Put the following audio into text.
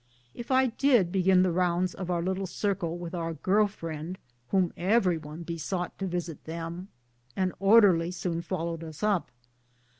If I did begin the rounds of our little circle with our girl friend, whom every one besought to visit them, an orderly soon followed us up.